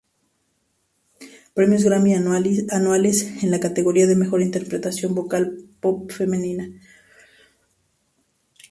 Premios Grammy Anuales en la categoría de Mejor Interpretación Vocal Pop Femenina.